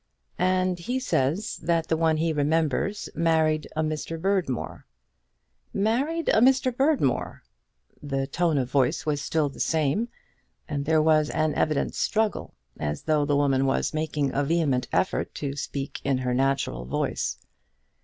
"And he says that the one he remembers married a Mr. Berdmore." "Married a Mr. Berdmore!" The tone of voice was still the same, and there was an evident struggle, as though the woman was making a vehement effort to speak in her natural voice.